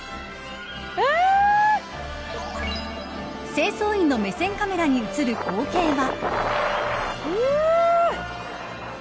清掃員の目線カメラに映る光景は。